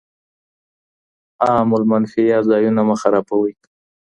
عام المنفعه ځايونه مه خرابوئ.